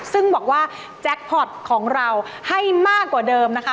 ซึ่งบอกว่าแจ็คพอร์ตของเราให้มากกว่าเดิมนะคะ